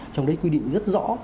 trong đấy quy định rất rõ